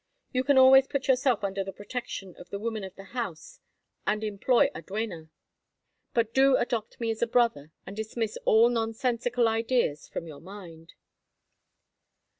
You can always put yourself under the protection of the woman of the house and employ a duenna. But do adopt me as a brother and dismiss all nonsensical ideas from your mind."